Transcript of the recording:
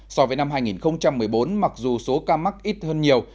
so với năm hai nghìn một mươi bốn mặc dù số ca mắc ít hơn nhiều